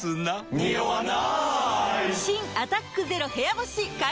ニオわない！